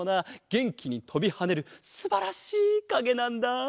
げんきにとびはねるすばらしいかげなんだ！